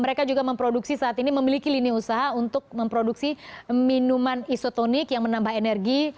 mereka juga memproduksi saat ini memiliki lini usaha untuk memproduksi minuman isotonik yang menambah energi